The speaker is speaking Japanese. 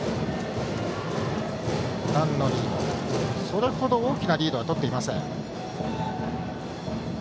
それほど大きなリードはとっていません。